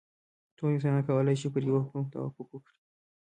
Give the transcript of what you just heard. ټول انسانان کولای شي پر یوه حکم توافق وکړي.